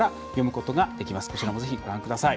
こちらも、ぜひご覧ください。